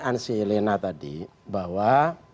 ansi lena tadi bahwa